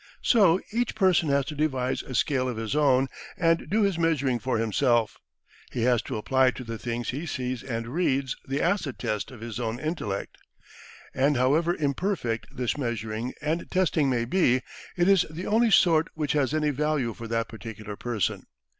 So each person has to devise a scale of his own and do his measuring for himself; he has to apply to the things he sees and reads the acid test of his own intellect. And however imperfect this measuring and testing may be, it is the only sort which has any value for that particular person.